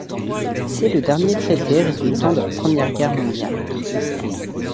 C'est le dernier traité résultant de la Première Guerre mondiale.